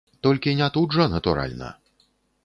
Толькі не тут жа, натуральна.